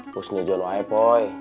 pusnya jauh aja bu